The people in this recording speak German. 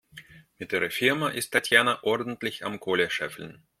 Mit ihrer Firma ist Tatjana ordentlich am Kohle scheffeln.